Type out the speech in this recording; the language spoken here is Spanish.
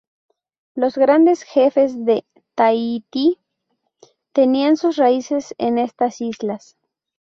Los grandes jefes de Tahití tenían sus raíces en estas islas.